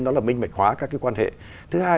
đó là minh bạch hóa các cái quan hệ thứ hai